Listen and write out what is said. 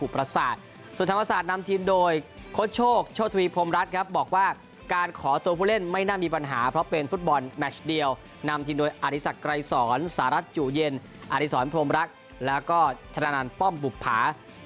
พรมรัฐครับบอกว่าการขอตัวผู้เล่นไม่น่ามีปัญหาเพราะเป็นฟุตบอลแมทช์เดียวนำทีมโดยอธิสัตว์ไกรศรสารัชจุเย็นอธิสรพรมรัฐแล้วก็ชนะนานป้อมบุกผา